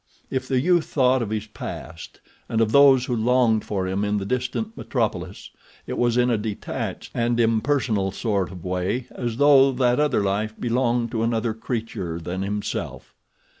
If the youth thought of his past and of those who longed for him in the distant metropolis it was in a detached and impersonal sort of way as though that other life belonged to another creature than himself.